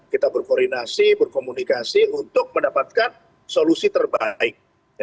kita berkoordinasi berkomunikasi untuk mendapatkan solusi terbaik